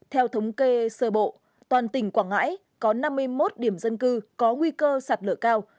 theo thống kê sơ bộ toàn tỉnh quảng ngãi có năm mươi một điểm dân cư có nguy cơ sạt lở cao